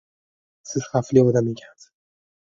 Siz xavfli odam ekansiz